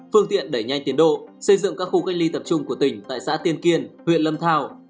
phương tiện đẩy nhanh tiến độ xây dựng các khu cách ly tập trung của tỉnh tại xã tiên kiên huyện lâm thao